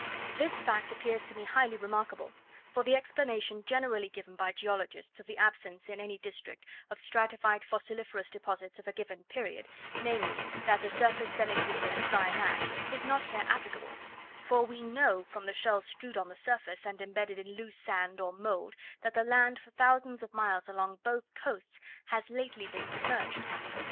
This fact appears to me highly remarkable; for the explanation generally given by geologists, of the absence in any district of stratified fossiliferous deposits of a given period, namely, that the surface then existed as dry land, is not here applicable; for we know from the shells strewed on the surface and embedded in loose sand or mould that the land for thousands of miles along both coasts has lately been submerged.